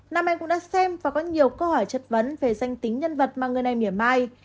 nam em cũng đã xem và có nhiều câu hỏi chất vấn về danh tính nhân vật mà người này mỉa mai